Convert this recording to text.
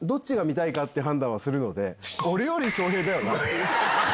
俺より翔平だよな。